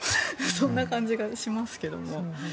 そんな感じがしますけど。